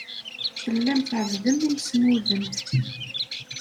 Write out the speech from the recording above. Tellam tɛebbdem imsemmuden.